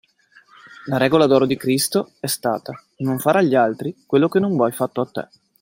La regola d'oro di Cristo è stata: non fare agli altri quello che non vuoi fatto a te.